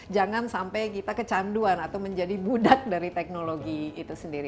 jangan sampai kita kecanduan atau menjadi budak dari teknologi itu sendiri